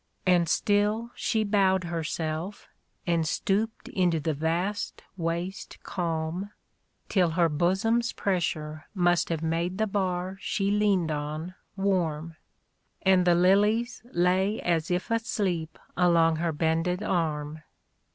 And still she bowed herself, and stooped Into the vast waste calm ; Till her bosom's pressure must have made The bar she leaned on warm, And the lilies lay as if asleep Along her bended arm.